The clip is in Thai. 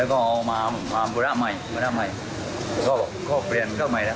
แล้วก็เอามามาบรรดาใหม่บรรดาใหม่เขาบอกเขาเปลี่ยนเครื่องเก่าใหม่แล้ว